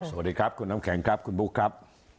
สวัสดีครับคุณน้ำแข็งครับคุณบุ๊คครับ